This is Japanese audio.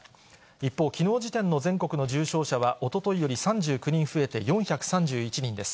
一方、きのう時点の全国の重症者は、おとといより３９人増えて４３１人です。